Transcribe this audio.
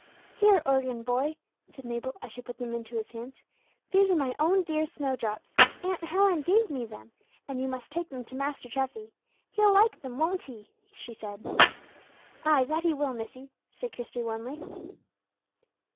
"Here, organ boy," said Mabel, as she put them into his hands, "these are my own dear snowdrops; Aunt Helen gave me them, and you must take them to Master Treffy, he'll like them, won't he?" she said. "Ay! that he will, missie," said Christie, warmly.